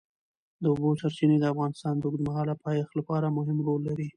د اوبو سرچینې د افغانستان د اوږدمهاله پایښت لپاره مهم رول لري.